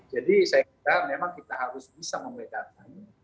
jadi saya kira memang kita harus bisa membedakan